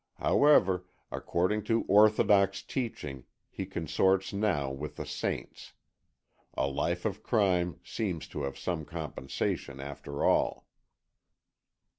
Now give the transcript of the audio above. However, according to orthodox teaching, he consorts now with the saints. A life of crime seems to have some compensation, after all.